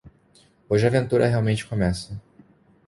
Hoje a aventura realmente começa.